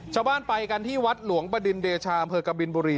ชาวบ้านไปกันที่วัดหลวงประดิษฐาเผลอคบรินบุรี